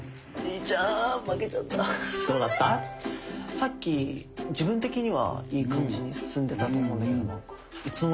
さっき自分的にはいい感じに進んでたと思うんだけどなんか。